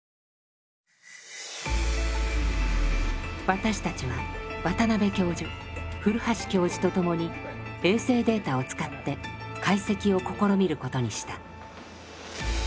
私たちは渡邉教授古橋教授と共に衛星データを使って解析を試みることにした。